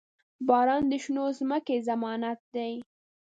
• باران د شنو ځمکو ضمانت دی.